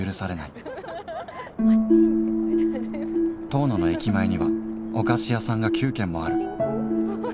遠野の駅前にはお菓子屋さんが９軒もある。